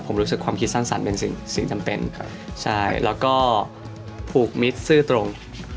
ผมรู้สึกความคิดสร้างสรรค์เป็นสิ่งจำเป็นใช่แล้วก็ผูกมิตรซื่อตรง